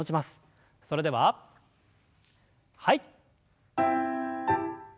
それでははい。